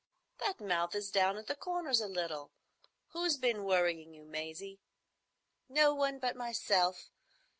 "That mouth is down at the corners a little. Who's been worrying you, Maisie?" "No one but myself.